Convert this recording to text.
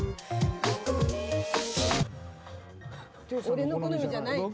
俺の好みじゃないと？